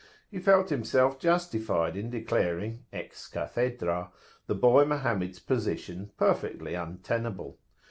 He felt himself justified in declaring, ex cathedra, the boy Mohammed's position perfectly untenable.